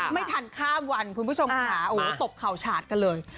ไม่ทันข้ามวันคุณผู้ชมขาตบเข่าชาติกันเลย